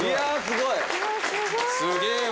すげえわ。